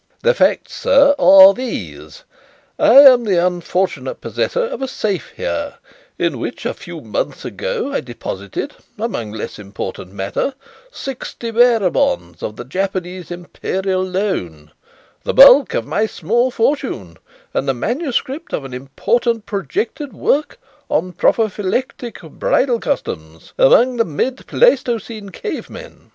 "The facts, sir, are these: I am the unfortunate possessor of a safe here, in which, a few months ago, I deposited among less important matter sixty bearer bonds of the Japanese Imperial Loan the bulk of my small fortune and the manuscript of an important projected work on 'Polyphyletic Bridal Customs among the mid Pleistocene Cave Men.'